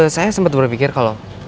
saya sempet berpikir kalau